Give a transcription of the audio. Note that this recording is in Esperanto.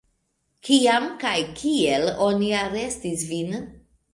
Kiam kaj kiel oni arestis vin?